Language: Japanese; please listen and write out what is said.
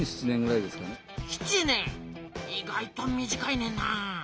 意外と短いねんな。